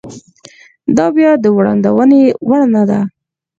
دا بیا د وړاندوېنې وړ نه ده.